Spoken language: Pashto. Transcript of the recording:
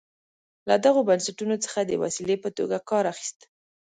له دغو بنسټونو څخه د وسیلې په توګه کار اخیست.